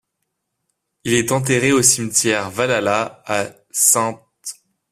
Il est enterré au cimetière Valhalla à St.